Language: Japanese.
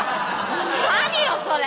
何よそれ！